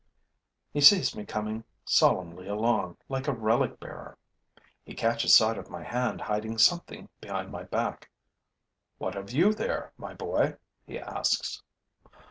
He sees me coming solemnly along, like a relic bearer; he catches sight of my hand hiding something behind my back: 'What have you there, my boy?' he asks.